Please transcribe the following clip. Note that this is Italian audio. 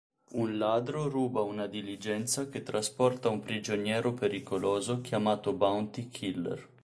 Un ladro ruba una diligenza che trasporta un prigioniero pericoloso chiamato Bounty Killer.